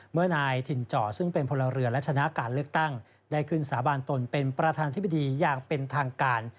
เมื่อนายถิ่นจ่อซึ่งเป็นพลเรือและชนะการเลือกตั้งได้ขึ้นสาบานตนเป็นประธานธิบดีอย่างเป็นทางการ